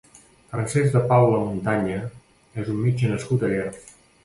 Francesc de Paula Montaña és un metge nascut a Llers.